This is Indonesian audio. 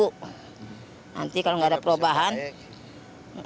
nanti kalau nggak ada perubahan